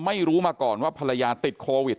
ไม่รู้มาก่อนว่าภรรยาติดโควิด